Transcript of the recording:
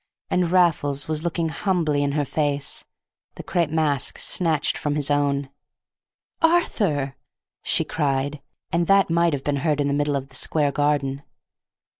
And Raffles was looking humbly in her face, the crape mask snatched from his own. "Arthur!" she cried; and that might have been heard in the middle of the square garden.